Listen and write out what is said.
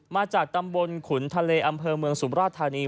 มาจากตำบลขุนทะเลอำเภอเมืองสุมราชธานี